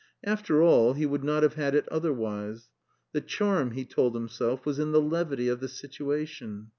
After all, he would not have had it otherwise. The charm, he told himself, was in the levity of the situation.